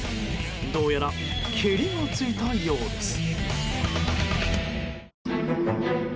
どうやらケリがついたようです。